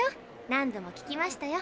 何度も聞きましたよ。